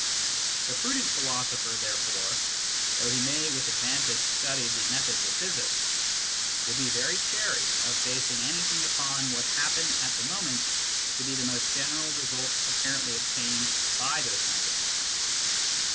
The prudent philosopher, there fore, though he may with advantage study the methods of physics, will be very chary of basing anything upon what happen at the moment to be the most general results apparently obtained by those methods.